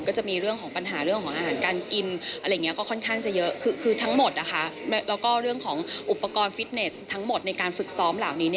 ก็จะมีเรื่องของปัญหาเรื่องของอาหารการกินอะไรอย่างนี้ก็ค่อนข้างจะเยอะคือทั้งหมดนะคะแล้วก็เรื่องของอุปกรณ์ฟิตเนสทั้งหมดในการฝึกซ้อมเหล่านี้